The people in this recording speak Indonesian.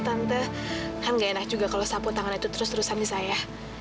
tante kan gak enak juga kalau sapu tangan itu terus terusan di saya